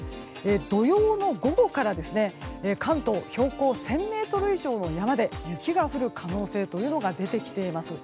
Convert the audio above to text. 土曜の午後から関東標高１０００ｍ以上の山で雪が降る可能性が出てきています。